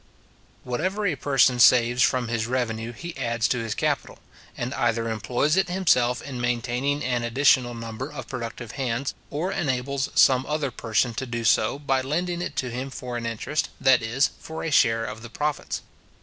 Whatever a person saves from his revenue he adds to his capital, and either employs it himself in maintaining an additional number of productive hands, or enables some other person to do so, by lending it to him for an interest, that is, for a share of the profits.